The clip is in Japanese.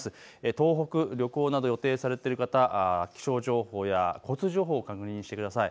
東北、旅行など予定されている方、気象情報や交通情報を確認してください。